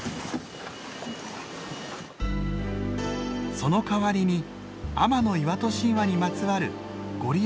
そのかわりに天岩戸神話にまつわる御利益